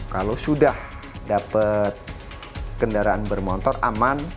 kalau sudah dapat kendaraan bermotor aman